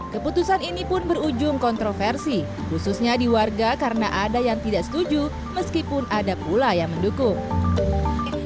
keputusan ini pun berujung kontroversi khususnya di warga karena ada yang tidak setuju meskipun ada pula yang mendukung